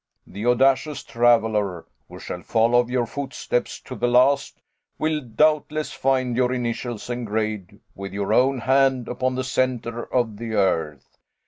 The audacious traveler, who shall follow your footsteps to the last, will doubtless find your initials engraved with your own hand upon the centre of the earth.